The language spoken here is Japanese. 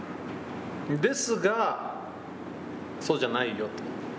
ですが、そうじゃないよと。